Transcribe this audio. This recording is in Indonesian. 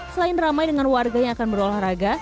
selain ramai dengan warga yang akan berolahraga